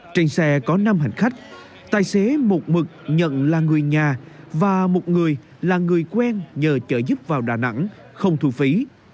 trên xe có năm hành khách tài xế một mực nhận là người nhà và một người là người quen nhờ trợ giúp vào đà nẵng không thu phí